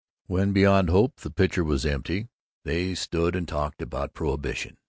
When, beyond hope, the pitcher was empty, they stood and talked about prohibition.